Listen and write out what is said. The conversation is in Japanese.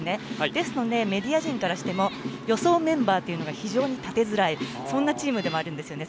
ですので、メディア陣からしても予想メンバーが非常に立てづらいそんなチームでもあるんですよね。